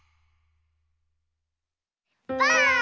ばあっ！